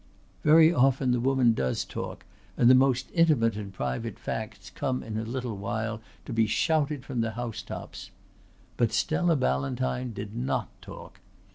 Very often the woman does talk and the most intimate and private facts come in a little while to be shouted from the housetops. But Stella Ballantyne did not talk.